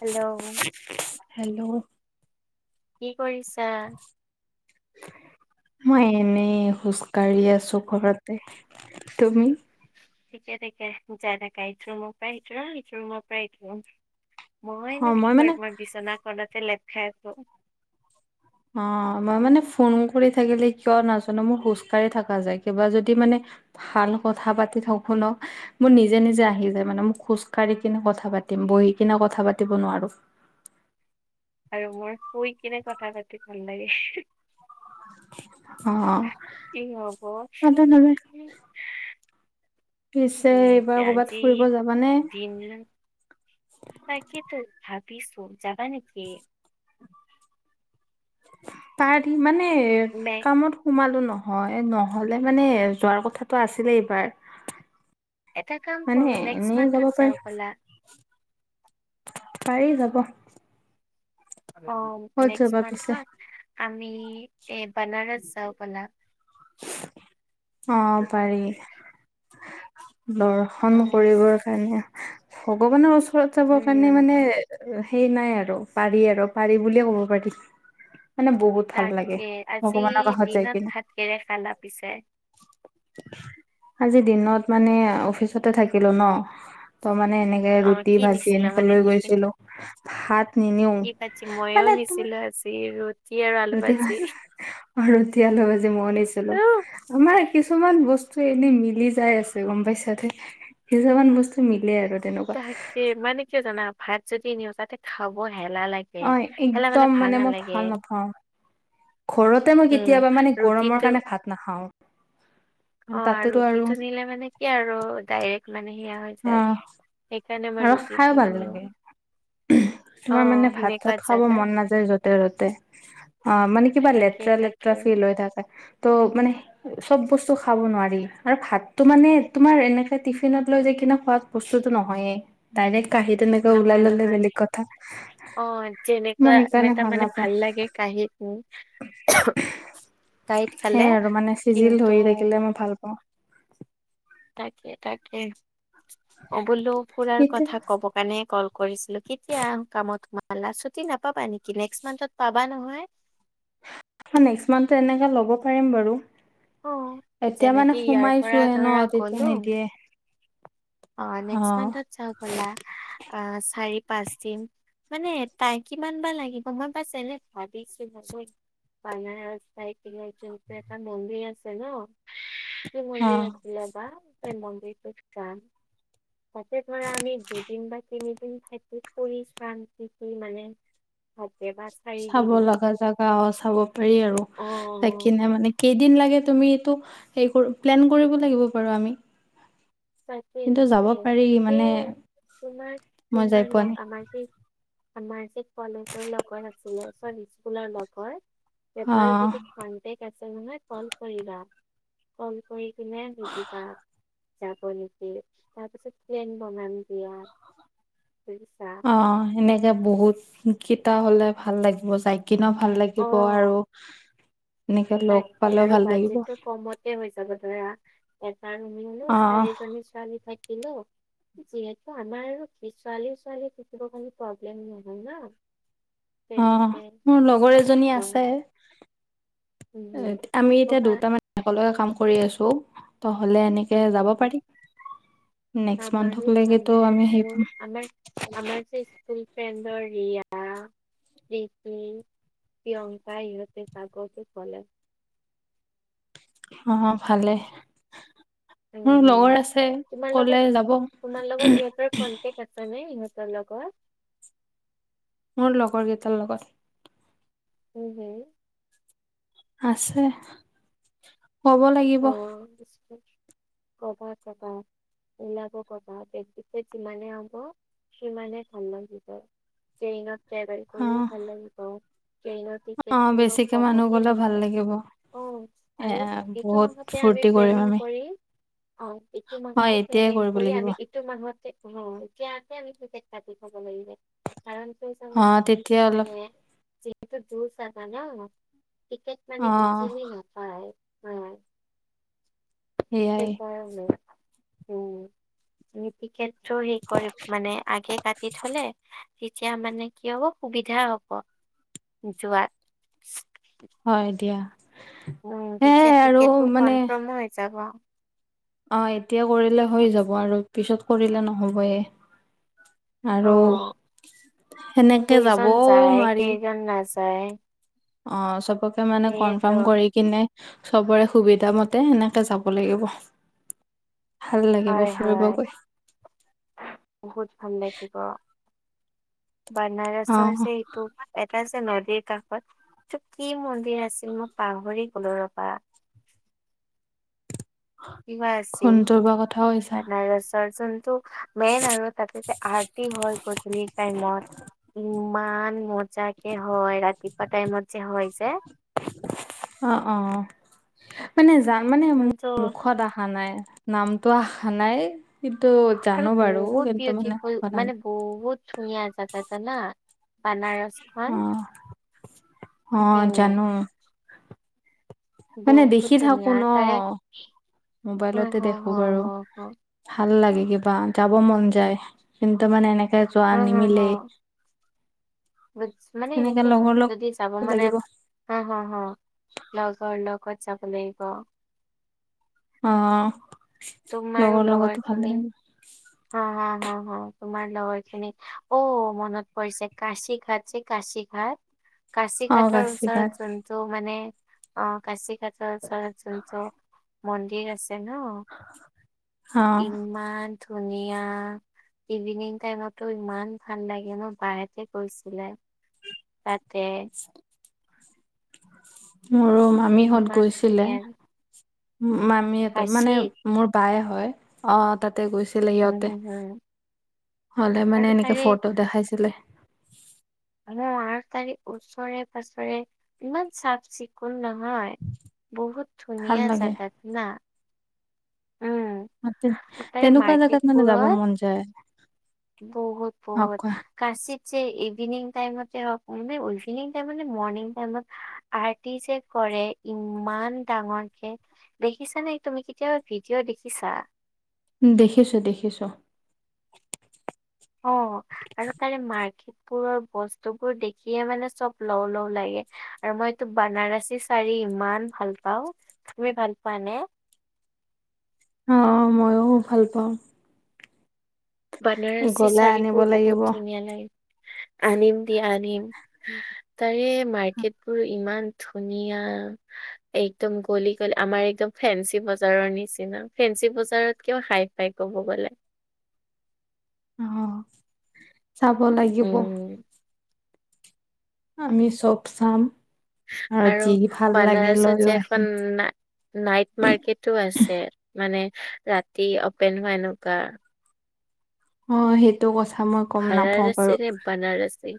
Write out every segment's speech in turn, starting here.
Hello. Hello. কি কৰিছা? [unintelligible] মই এনেই খোজ কাঢ়ি আছো ঘৰতে, তুমি? ঠিকে ঠিকে যাই থাকা ইটো ৰুমৰ পৰা সিটো ৰুম সিটো ৰুমৰ পৰা ইটো ৰুম। অ মইনো মই কি মানে কৰিম তোমাৰ বিছনা খনতে লেপ খাই আছো। অ মই মানে ফোন কৰি থাকিলে কিয় নাজানো মোৰ খোজ কঢ়ি থকা যায় কিবা যদি মানে ভাল কথা পাতি থওক শুনক মোৰ নিজে নিজে আহি যায় মানে মোক খোজ কঢ়ি কিনে কথা পাতিম বহি কিনে কথা পাতিব নোৱাৰো। আৰু মোৰ শুই কিনে কথা পাতি ভাল লাগে। অ কি হব তাতে নাযায়। পিছে উম এতিয়া এইবাৰ আজি কৰবাত ফুৰিব যাবানে? [unintelligible] তাকেটো ভাবিছো যাবা নেকি? তাৰ সিমানে মে কামত সোমালো নহয় নহ'লে মানে যোৱাৰ কথাটো আছিলে এইবাৰ। এটা কাম কৰো মানে নেক্সট এনে যাব মান্থত পাৰি। যাওঁ ব'লা। পাৰি যাব। অ ক'ত নেক্স যাবা পিছে? মান্থত আমি এ বনাৰছ যাওঁ বলা। অ পাৰি দ অ ৰ্শন কৰিবৰ কাৰণে ভগৱানৰ ওচৰত যাবৰ কাৰণে উম মানে সেই নাই আৰু পাৰি আৰু পাৰি বুলিয়ে ক'ব পাৰি। মানে বহুত ভাল লাগে তাকে আজি ভগৱানৰ কাষত যাই দিনত কিনে ভাত কিহেৰে খালা পিছে? [unintelligible] আজি দিনত মানে অফিচতে থাকিলো ন ত মানে এনে অ ৰুটি কি ভাজি নিছিলা এনেকে মানে লৈ টিফিন গৈছিলো ভাত নিনিও কি মইও মানে তোমাৰ নিছিলো ভাজি ৰুটি আৰু ৰুটি ভাজি অ ৰুটি আলু ভাজি ময়ো নিছিলো। আৰু আমাৰ কিছুমান বস্তু এনে মিলি যাই আছে গম পাইছা তই। কিছুমান বস্তু মিলে আৰু। তাকে মানে কিয় জানা ভাত যদি নিও তাতে খাব এলাহ লাগে অ হেলা মানে একদম ভাল মই নালাগে। ভাল নাপাওঁ। ঘৰতে মই উম কেতিয়াবা মানে গৰমৰ ৰুটিটো কাৰণে ভাত নাখাওঁ। অ' আৰু সিটো নিলে মানে কি আৰু ডাইৰেক্ট মানে সেয়া হৈ অ যায়। খাইছানে মা ৰুটি টো নিও। উম। অ তোমাৰ মানে ভাত সেনেকুৱা চাত খাব জাগাত মন নাযায় য'তে ত'তে অ মানে কিবা তাকে লেতেৰা লেতেৰা তাকে লেতেৰা ফিল হৈ থাকে ত মানে সে চব বস্তু খাব নোৱাৰি। আৰু ভাতটো মানে তোমাৰ এনেকে টিফিনত লৈ যাই কিনে খোৱাত বস্তুতো নহয়েই ডাইৰেক্ট কাহী তেনেকৈ ওলাই নহয় ললে নহয় বেলেগ কথা। অ' মই যেনেকোৱা সেইকাৰণে তাৰ মানে নাপাওঁ ভাল লাগে কাঁহীত উম কাঁহীত খালে। সেইয়াই আৰু মানে চিজিল কিন্তু- হৈ থাকিলে মই ভাল পাওঁ তাকে তাকে। অ' বোলো ফুৰাৰ এতিয়া কথা ক'ব। মানে ক'ল কৰিছিলো। কেতিয়া কামত ছুটি নাপাবা নেকি নেক্স মাহত পাবা নহয়। নেক্সট মান্থ এনেকে ল'ব পাৰিম বাৰু অ এতিয়া মানে যেনেকে ইয়াৰ পৰা সোমাইছোহে ধৰা ন' তেতিয়া গ'লো নিদিয়ে অ' নেক্স মান্থত যাও বলা আ চাৰি পাঁচ দিন। মানে তাই কিমান বা লাগিব মই পাইছে ভাবিছো। বেনাৰস যায় কিনে কোনটো এটা মন্দিৰ আছে ন' অ মন্দিৰ আছিলে বা সেই মন্দিৰটোত যাম। তাতে ধৰা আমি দুদিন বা তিনিদিন ঠাইত ফুৰি চাম [unintelligible] মানে [unintelligible] চাব লগা জেগা অ' চাব পাৰি আৰু অ তাক কিনে মানে- কেইদিন লাগে তুমি এইটো প্লেন কৰিব লাগিব পাৰো নেকি আমি। কিন্তু যাব তাতে-তাকে। পাৰি মানে সেই মই যাই পোৱা নাই তোমাৰ-তোমাৰলোক আমাৰ যে- আমাৰ যে কলেজৰ লগৰ আছিলে। স্কুলৰ অ লগৰ- কনটেক্ট আছে নহয় ফোন কৰিবা, ক'ল কৰি কেনে সুধিবা- যাব নেকি। তাৰ পিছত প্লেন বনাম দিয়া। অ' সেনেকে- বহুতকেইটা হ'লে ভাল লাগিব যায় কিনিও ভাল লাগিব অ আৰু। এনেকে লগ তাকে পালেও আৰু ভাল লাগিব। বাজেটটো কমতে হৈ যাব ধৰা এটা ৰুম ললো অ চাৰিজনী ছোৱালী থাকিলো। যিহেতু আমাৰ ছোৱালী-ছোৱালী থাকিব কাৰণে প্ৰব্লেম নহয় ন। অহ', তেনেকে মোৰ লগৰ এজনী অ আছে। এই উম আমি এতিয়া কবা দুটামান একেলগে কাম কৰি আছো। ত হ'লে এনেকৈ যাব পাৰিম। আমাৰে সেই আমাৰ-আমাৰ যে স্কুল- ফ্ৰেন্ডৰ ৰিয়া- প্ৰীতি, প্ৰিয়ংকা ইহঁতে যাব টো কলে অ' ভালেই। মোৰ লগৰ উম আছে ক'লে যাব। কন্টেক আছে নে ইহঁতৰ লগত? মোৰ লগৰ কেইটাৰ লগত। উম হুম। আছে। কব- লাগিব অ পঢ়া-পঢ়া। উলাব কবা যিমানে হব সিমানে ভাল লাগিব। ট্ৰেইনত ট্ৰেভেল অ কৰিও ভাল লাগিব। ট্ৰেইনত- অ তেতিয়া বেছিকে মানুহ কমতে গলে হৈ ভাল যায়। লাগিব অ' এ আৰু- এইটো বহুত মাহতে আমি ফূৰ্তি কৰিম প্লেনিং আমি কৰি অ এইটো অ মাহতে এতিয়াই প্লেনিং কৰিব কৰি লাগিব আমি- এইটো মাহতে অহ। এতিয়া আমি টিকেট কাটিব ক'ব লাগিব। কাৰনটো অ তেতিয়া অলপ মানে যিহেতু দূৰ যাবা ন'। মানে অ এক শ্ৰেণীভাব। হয় হয়, সেয়াই সেইকাৰণে। [unintelligible] তুমি টিকেটো হেৰি কৰি মানে আগে কাটি থ'লে। তেতিয়া মানে কি হ'ব সুবিধা হ'ব যোৱাত। হয় দিয়া। উম' সেয়াই তেতিয়া আৰু টিকেটো কনফাৰ্ম হৈ যাব। অঁ', এতিয়া কৰিলে হৈ যাব আৰু পিছত কৰিলে নহবয়ে। অ আৰু সেনেকে যাবও নোৱাৰি। য়াননাচ। প্ৰায় অ চবকে মানে কনফাৰ্ম কৰি কিনে। চবৰে সুবিধা মতে এনেকে যাব লাগিব। ভাল লাগিব হয়', ফুৰিব হয় গৈ ', বহুত ভাল লাগিব। বনৰাজৰ অ', যে তোৰ এটা যে নদীৰ কাষত তোৰ কি মন্দিৰ আছিল মই পাহৰি গলো ৰ'বা। কিবা আছিল। ফোনটোৰ পৰা কথা কৈছা বনৰাজৰ যোনটো মেইন আৰু তা'তে যে আৰ্টি হয়, গধূলি টাইমত ইমান মজা। তাকে হয়, ৰাতিপুৱা টাইমত যে হয় যে। অ, অ, মানে জান মানে কিন্তু মুখত অহা নাই নামটো অহা নাই। ইটো আৰু জানো বাৰো বহুত কিন্তু মানে বিউটিফুল মানে সাবধানে। বহুত ধুনীয়া জাগা জানা। অ', বানাৰসখন অ', উম। জানো মানে দেখি বহুত থাকো ধুনীয়া ন তাৰে হ মোবাইলতে হ দেখো হ বাৰু হ। ভাল লাগে কিবা যাব মন যায়। কিন্তু মানে এনেকে যোৱা হ নিমিলেই। বুটচ মানে এনেকে সেনেকে লগৰ লগ যদি যাব মানে। লাগিব হ হ হ লগৰ লগ লগত যাব লাগিব। অ লগৰ লগতো ভালে। হ হ হ হহ তোমাৰ লগৰ খিনিত অ মনত পৰিছে কাশি ঘাশিক। কাশি ঘাট কাশি অ', ঘাটৰ গাছি ওচৰত ঘাট জোন। ত মানে অ কাশি ঘাতটো উচৰত জোনটো মন্দিৰ আছে। তাত 'ন' অ', ইমান ধুনীয়া। ইভিনিং টাইমতো ইমান ভাল লাগে 'ন' বাই সেতে গৈছিলে। তাতে মোৰো মামীহঁত ইমান গৈছিলে ধুনীয়া মামীটো মানে। কাশীত মোৰ বায়ে হয়। অ তাত। তে গৈছিলে উম সিহঁতে হম হম হলে আৰু মানে এনেকে তাৰে ফটো দেখাইছিলে। মান আঠ তাৰিখ ওচৰে পাঁজৰে ইমান চাফ চিকুণ নহয়। বহুত ভাল ধুনীয়া লাগে জাগাত না। উম তে তাৰে তেনেকুৱা মাৰ্কেট জোগাত মানে যাব বোৰত মন যায়। বহুত অ' -বহুত। কোৱা কচিত যে ইভিনিং টাইমত হওক মানে ইভিনিং টাইমতে মৰ্নিং টাইমত। আৰ্টি যে কৰে ইমান ডাঙৰকে। দেখিছা নে? তুমি কেতিয়াবা ভিডিঅ' দেখিছা। উম দেখিছো -দেখিছো। অ আৰু তাৰে মাৰ্কট। কাপোৰৰ বস্তু বোৰ দেখিয়ে মানে চব লও লও লাগে আৰু মই এইটো বানাৰসী, চাৰি ইমান ভাল পাওঁ তুমি ভাল পোৱা নে? অ অ মইয়ো ভাল পাওঁ। বনাৰসী গ'লে আনিব চাৰিবোৰ লাগিব বহুত অ' ধুনীয়া লাগে আনিম দিয়া আনিম। তাৰে মাৰ্কেট বোৰ ইমান ধুনীয়া। একদম গলি গলি আমাৰ একদম ফেঞ্চি, বজাৰৰ নিচিনা ফেঞ্চি বজাৰত কেও হাই- হাই ক'ব গ'লে। চাব লাগিব। উম আমি চব চাম আৰু যি ভাল লাগে বানাৰসত যে লৈও এখন আহিম। না নাইট মাৰ্কেটটো আছে মানে ৰাতি অপেন হোৱা এনেকুৱা- অ সেইটো কথা মই গম নাপাও ভাৰাৰসী বাৰু- নে বানাৰসী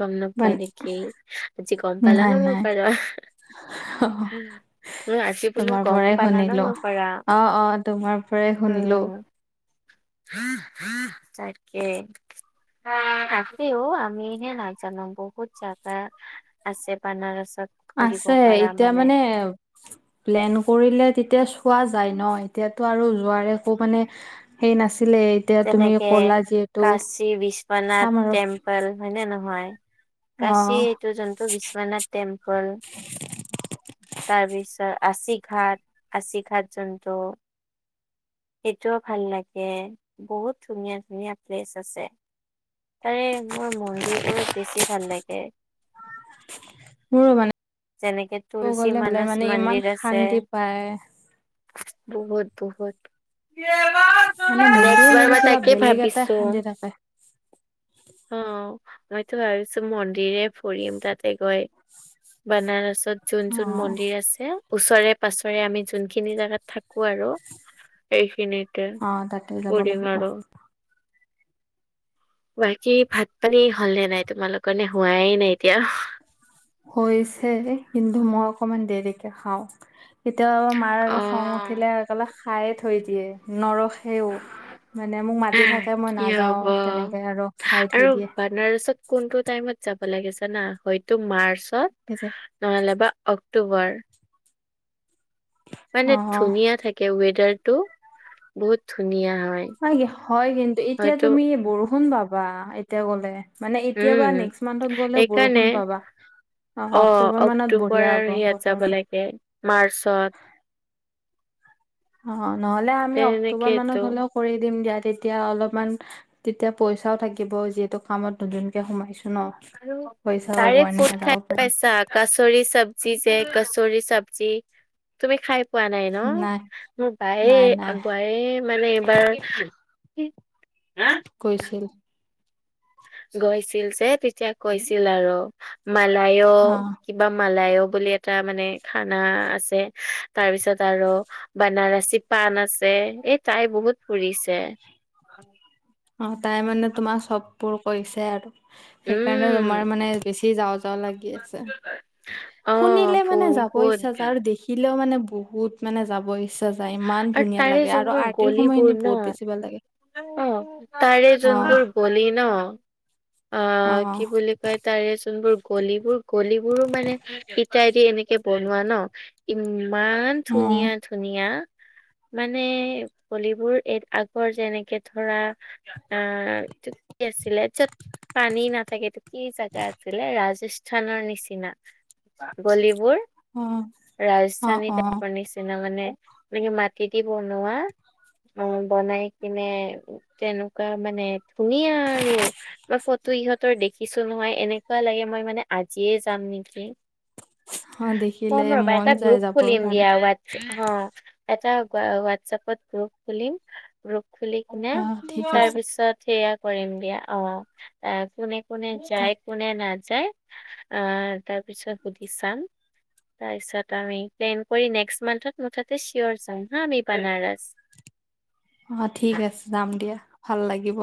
গম নাপোৱা মানে নেকেই আজি গম পালা ন নাই মোৰ নাই পৰা। উম। এ আজি বোলো তোমাৰ গম পৰাই পালা ন শুনিলো পৰা অ' অ' তোমাৰ পৰাই শুনিলো উম। তাকে। আছে অঁও আমি হে নাজানো বহুত জাগা- আছে বানাৰসত- ফুৰিব আছে পাৰা এতিয়া মানে। প্লেন কৰিলে তেতিয়া চোৱা যায় ন এতিয়াতো আৰু যোৱাৰ একো মানে- সেই নাছিলে- এতিয়া তুমি যেনেকে ক'লা যিহেতু কাশী বিশ্বনাথ চাম আৰু টেম্প, হয়নে নহয় অ কাশী এইটো জন্তু বিশ্বনাথ টেম্পল তাৰ পিছত পাছিঘাট পাছিঘাট জন্তু- সেইটোও ভাল লাগে বহুত ধুনীয়া ধুনীয়া প্লেচ আছে। তাৰে মোৰ মন্দিৰবোৰত বেছি ভাল লাগে। মোৰো মানে যেনেকে ক'ব তুলসী গ'লে হলে মানস মানে ইমান মন্দিৰ আছে। শান্তি পায় বহুত বহুত। দেৱা [unintelligible] মানে মন্দিৰত গলে কিবা বেলেগ এটাই শান্তি লাগে। অ, মইতো ভাবিছোঁ মন্দিৰে ফুৰিম তাতে গৈ বানাৰসত যোন অ যোন মন্দিৰ আছে। ওচৰে পাছৰে আমি যোনখিনি জাগাত থাকো আৰু এইখিনিত। অ তাতে যাব ফুৰিম লাগিব আৰু। বাকী ভাত পানী হল নে নাই তোমালোকৰ নে হোৱাই নাই এতিয়া? হৈছে। কিন্তু, মই অকমান দেৰিকে খাওঁ। কেতিয়াবা মাৰ অ আৰু খং উঠিলে অকলে খাইয়ে থৈ দিয়ে নৰসে সেইও মানে মোক মাতি থাকে মই কি নাযাওঁ তেনেকৈ আৰু খাই থৈ দিয়ে। আপোনাৰত কোনটো টাইমত যাব লাগিছে না হয়তো মাৰ্চত। আছা। [unintelligible] নহ'লে বা অক্টোবৰ। অ মানে ধুনীয়া থাকে ৱেডাৰ টো বহুত ধুনীয়া হয়। ন কি হয় কিন্তু এতিয়া হয়তো তুমি বৰষুণ পাবা এতিয়া গলে মানে এতিয়াবা উম, নেক্সট মান্থত গ'লে বৰষুণ সেইকাৰণে পাবা। অ, অক্টোবৰ মানত অক্টোবৰ বঢ়িয়া হ'ব আৰু ইয়াত যাব বতৰটো লাগে মাৰ্চত। অ, নহলে আমি অক্টোবৰ তেনেকেইতো মানত হ'লেও কৰি দিম দিয়া তেতিয়া অলপমান তেতিয়া পইচাও থাকিব যিহেতু কামত নতুনকে সোমাইছো ন। আৰু পইচা হ'ব তাৰে্ এনেকে ফুড যাব খাই পাৰিম পাইছাক? কচৰি চব্জি যে কছৰি চব্জি। তুমি খাই পোৱা নাই ন? নাই মোৰ বায়ে নাই নাই বায়ে মানে এইবাৰ হ। কৈছিল। গৈছিল যে তেতিয়া কৈছিল আৰু মালায়ো অ কিবা মালায়ো বুলি এটা মানে খানা আছে তাৰপিছত আৰু বনাৰসী পণ আছে এই তাই বহুত ফুৰিছে। অ, তাই মানে তোমাৰ চববোৰ কৰিছে আৰু সেইকাৰণে উম তোমাৰ মানে বেছি যাৱ লাগি আছে অ শুনিলে মানে যাব ইচ্ছা বহুত আৰু দেখি। শিকিলেও মানে বহুত মানে যাবই ইচ্ছা যায় ইমান আৰু ধুনীয়া তাৰে লাগে আৰু যোনবোৰ আৰ্টিৰ গলিবোৰ সময়খিনি ন বহুত বেছি ভাল লাগে। অ, তাৰে অ যোনবোৰ বলি ন? অ, কি বুলি কয় তাৰেজোন কলিবোৰ কলিবোৰো মানে ইটাই দি এনেকে বনোৱা ন। ইমান অ ধুনীয়া - ধুনীয়া। মানে পলিবোৰ এই আগৰ যেনেকে ধৰা আহ এইটো কি আছিলে পানী নাথাকেটো কি জোগা আছিলে ৰাজস্থানৰ নিচিনা। গলিবোৰ অ অ ৰাজধানী অ টাইপৰ নিচিনা মানে। নি মাটি দি বনোৱা। অ, বনাই কিনে তেনেকুৱা মানে ধুনীয়া আৰু মই ফটো ইহঁতৰ দেখিছো নহয় এনেকুৱা লাগে মই মানে আজিয়ে যাম নেকি? অ দেখিলে ক'ম ৰ'বা মন এটা যায় গ্ৰুপ যাবৰ খুলিম কাৰণে দিয়া আৰু এটা হোৱাটছপত গ্ৰুপ খুলিম গ্ৰুপ খুলি নে অ ঠিক আছে তাৰপিছত সেয়া কৰিম দিয়া অ, কোনে কোনে যায় কোনে নাযায় আহ তাৰপিছত সুধি চাম। তাৰ পিছত আমি প্লেন কৰি নেক্সট মান্থত মুঠতে চিয়ৰ যাম হা আমি বানাৰছ। অ, ঠিক আছে যাম দিয়া ভাল লাগিব।